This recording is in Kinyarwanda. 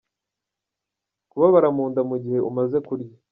Kubabara mu nda mu gihe umaze kurya.